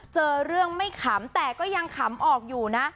เจอเรื่องไม่ขำแต่ก็ยังขำออกอยู่นะ